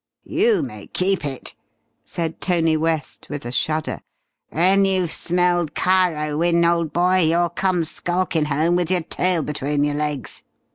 "You may keep it!" said Tony West with a shudder. "When you've smelled Cairo, Wynne, old boy, you'll come skulkin' home with your tail between your legs.